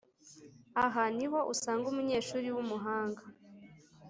Aha ni ho usanga umunyeshuri w’umuhanga